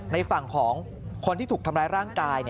ในฝั่งของคนที่ถูกทำร้ายร่างกาย